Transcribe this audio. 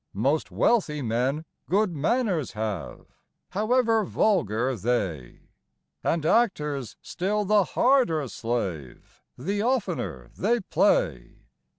Most wealthy men good manors have, however vulgar they; And actors still the harder slave the oftener they play.